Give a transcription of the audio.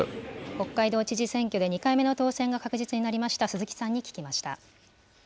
北海道知事選挙で２回目の当選が確実になりました鈴木さんに聞きました。